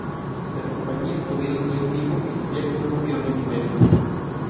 Las compañías tuvieron buen tiempo y sus viajes no tuvieron incidentes.